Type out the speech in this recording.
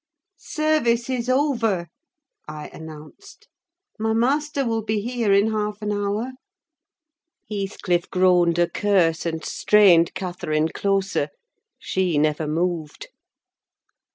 "Service is over," I announced. "My master will be here in half an hour." Heathcliff groaned a curse, and strained Catherine closer: she never moved.